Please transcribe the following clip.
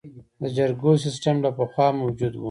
د جرګو سیسټم له پخوا موجود و